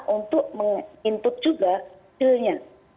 untuk meng input juga skill nya